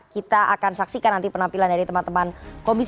kita akan saksikan nanti penampilan dari teman teman komisi